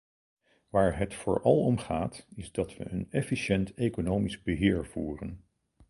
Waar het vooral om gaat is dat we een efficiënt economisch beheer voeren.